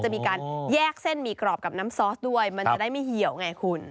จะมีการแยกเส้นหมี่กรอบกับน้ำซอสด้วยมันจะได้ไม่เหี่ยวไงคุณ